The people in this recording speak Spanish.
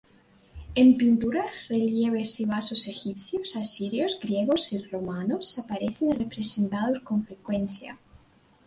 En pinturas, relieves y vasos egipcios, asirios, griegos y romanos, aparecen representados con frecuencia.